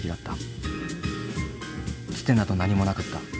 つてなど何もなかった。